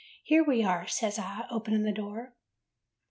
'Here we are,* says I, opening the door.